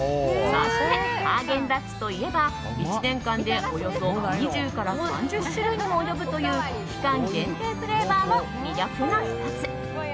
そしてハーゲンダッツといえば１年間でおよそ２０から３０種類にも及ぶという期間限定フレーバーも魅力の１つ。